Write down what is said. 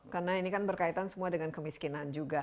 karena ini kan berkaitan semua dengan kemiskinan juga